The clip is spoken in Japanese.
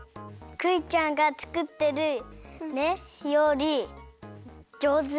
クイちゃんがつくってるりょうりじょうず！